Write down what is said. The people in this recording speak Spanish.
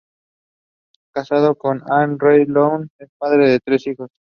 Casado con Ann Reid Lund, es padre de tres hijos.